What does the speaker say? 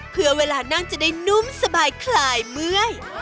เพื่อเวลานั่งจะได้นุ่มสบายคลายเมื่อย